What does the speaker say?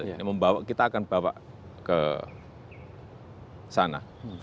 ini membawa kita akan bawa ke sana